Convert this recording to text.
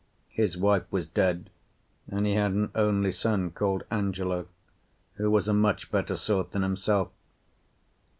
His wife was dead, and he had an only son called Angelo, who was a much better sort than himself.